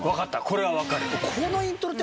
これは分かる。